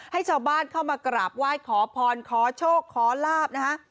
ให้ชาวบ้านเข้ามากราบไหว้ขอพรขอโชคขอลาบนะฮะ